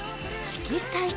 「色彩」